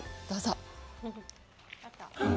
どうぞ。